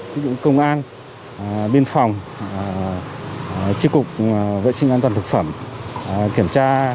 ví dụ công an biên phòng chiếc cục vệ sinh an toàn thực phẩm